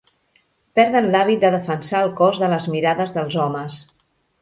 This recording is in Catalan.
Perden l'hàbit de defensar el cos de les mirades dels homes.